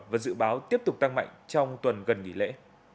và dự báo tiếp tục tăng mạnh trong tuần gần nghỉ lễ